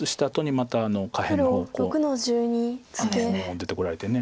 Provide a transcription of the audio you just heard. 出てこられて。